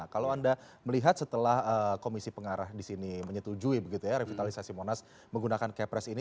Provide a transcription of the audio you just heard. kalau anda melihat setelah komisi pengarah disini menyetujui revitalisasi monas menggunakan kepres ini